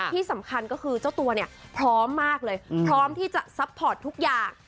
ที่สำคัญก็คือเจ้าตัวเนี่ยพร้อมมากเลยพร้อมที่จะซัพพอร์ตทุกอย่าง